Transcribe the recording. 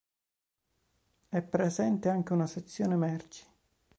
È presente anche una sezione merci.